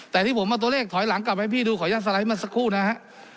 แต่ที่ผมเอาตัวเลขถอยหลังกลับมาให้พี่ดูขออนุญาตสไลด์มาสักครู่นะฮะ